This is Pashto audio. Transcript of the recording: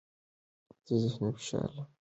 زه د ذهني فشار پر وړاندې تدابیر نیسم.